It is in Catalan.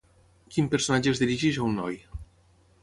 Quin personatge es dirigeix a un noi?